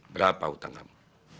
berapa utang kamu